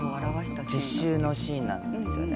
１０週のシーンなんですよね。